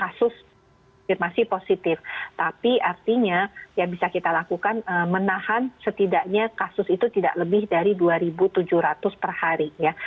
kasus konfirmasi positif tapi artinya yang bisa kita lakukan menahan setidaknya kasus itu tidak lebih dari dua tujuh ratus per hari ya